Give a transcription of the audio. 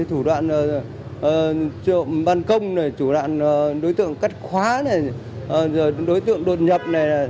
thủ đoạn trộm băn công thủ đoạn đối tượng cắt khóa đối tượng đột nhập